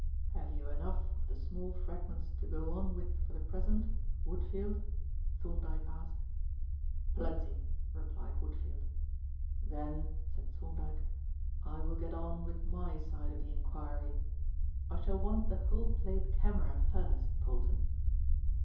"Have you enough of the small fragments to go on with for the present, Woodfield?" Thorndyke asked. "Plenty," replied Woodfield. "Then," said Thorndyke, "I will get on with my side of the inquiry. I shall want the whole plate camera first, Polton."